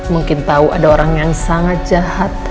mungkin tahu ada orang yang sangat jahat